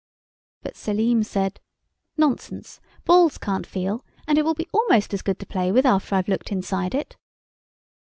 But Selim said, "Nonsense; balls can't feel, and it will be almost as good to play with after I've looked inside it."